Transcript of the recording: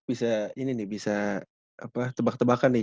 bisa tebak tebakan nih